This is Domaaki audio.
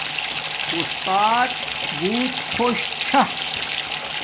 اُستات بوت خوش چھا